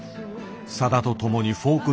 さだと共にフォーク